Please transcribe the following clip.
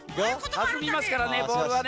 はずみますからねボールはね。